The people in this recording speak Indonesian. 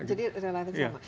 jadi relatif sama